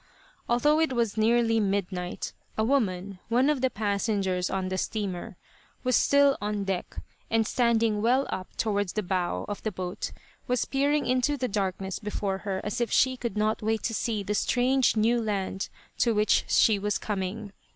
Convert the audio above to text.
Although it was nearly midnight, a woman one of the passengers on the steamer was still on deck, and standing well up toward the bow of the boat was peering into the darkness before her as if she could not wait to see the strange new land to which she was coming.